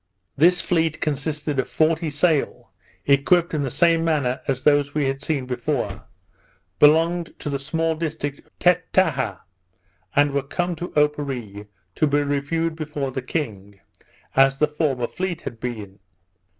This fleet consisted of forty sail, equipped in the same manner as those we had seen before, belonged to the little district of Tettaha, and were come to Oparree to be reviewed before the king, as the former fleet had been.